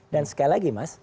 dan sekali lagi mas